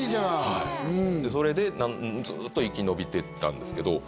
はいそれでずーっと生きのびてったんですけど